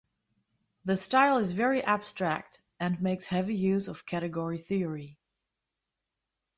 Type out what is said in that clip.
The style is very abstract and makes heavy use of category theory.